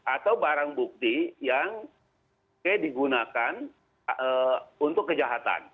atau barang bukti yang digunakan untuk kejahatan